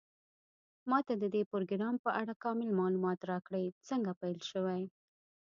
ما ته د دې پروګرام په اړه کامل معلومات راکړئ څنګه پیل شوی